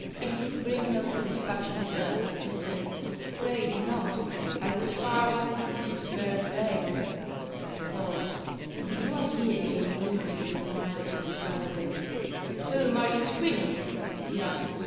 "It would bring no satisfaction, sir," he said. "Pray do not. I would far rather continue to bear the blame." A pause. A new idea came glimmering into the mind of Mr. Galloway. "Whom are you screening?" he asked.